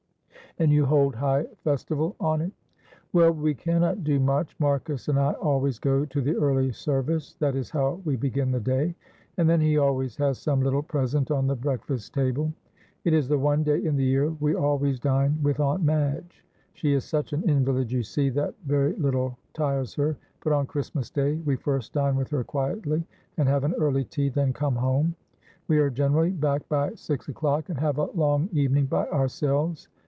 "And you hold high festival on it?" "Well, we cannot do much. Marcus and I always go to the early service, that is how we begin the day, and then he always has some little present on the breakfast table. It is the one day in the year we always dine with Aunt Madge; she is such an invalid, you see, that very little tires her; but on Christmas Day, we first dine with her quietly, and have an early tea, then come home; we are generally back by six o'clock, and have a long evening by ourselves.